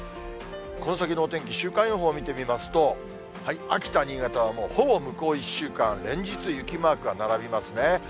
この先のお天気、週間予報を見てみますと、秋田、新潟は、もうほぼ向こう１週間、連日雪マークが並びますね。